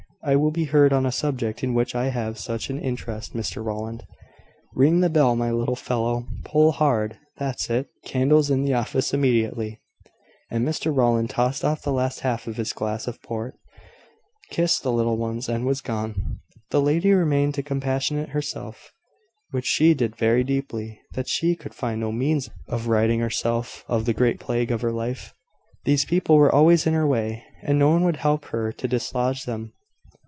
I will be heard on a subject in which I have such an interest, Mr Rowland." "Ring the bell, my little fellow. Pull hard. That's it Candles in the office immediately." And Mr Rowland tossed off the last half of his glass of port, kissed the little ones, and was gone. The lady remained to compassionate herself; which she did very deeply, that she could find no means of ridding herself of the great plague of her life. These people were always in her way, and no one would help her to dislodge them.